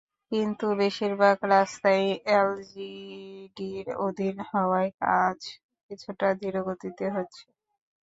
কিন্তু বেশির ভাগ রাস্তাই এলজিইডির অধীন হওয়ায় কাজ কিছুটা ধীর গতিতে হচ্ছে।